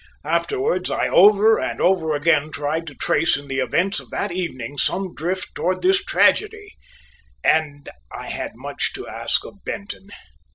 Afterwards, I over and over again tried to trace in the events of that evening some drift towards this tragedy, and I had much to ask of Benton.